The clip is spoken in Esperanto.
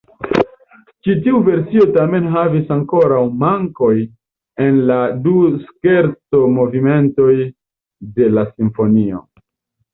Ĉi tiu versio tamen havis ankoraŭ mankoj en la du skerco-movimentoj de la simfonio.